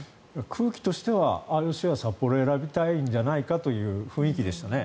空気としてはＩＯＣは札幌を選びたいんじゃないかという雰囲気でしたね。